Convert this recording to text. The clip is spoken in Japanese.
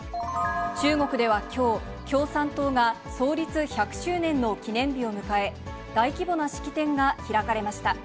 中国ではきょう、共産党が創立１００周年の記念日を迎え、大規模な式典が開かれました。